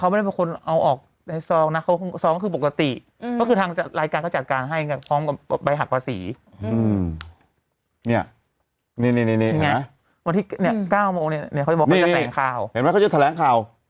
นี่วันที่๙โมงนี้เขาจะบอกว่าจะแทรกข่าวเห็นมั้ยเขาจะแทรกข่าว